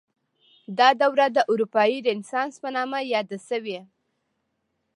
دا دوره د اروپايي رنسانس په نامه یاده شوې.